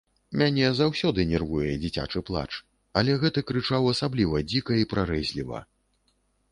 Мяне заўсёды нервуе дзіцячы плач, але гэты крычаў асабліва дзіка і прарэзліва.